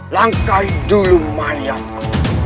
langkai dulu mayatku